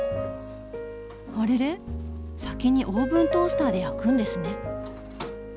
あれれ⁉先にオーブントースターで焼くんですね。